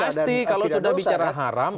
pasti kalau sudah bicara haram